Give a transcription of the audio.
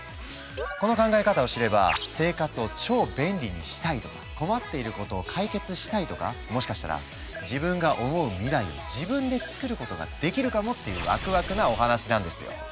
この考え方を知れば生活を超便利にしたいとか困っていることを解決したいとかもしかしたら自分が思う未来を自分でつくることができるかもっていうワクワクなお話なんですよ。